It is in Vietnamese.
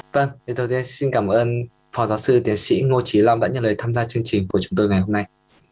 vâng thì đầu tiên xin cảm ơn phó giáo sư tiến sĩ ngô chí long đã nhận lời tham gia chương trình của chúng tôi ngày hôm nay